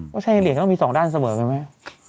ชัยเหรียญต้องมีสองด้านเสมอกันไหม